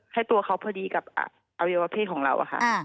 ให้ตัวเขาพอดีกับอวัยวะเพศของเราค่ะ